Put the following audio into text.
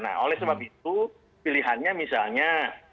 nah oleh sebab itu pilihannya misalnya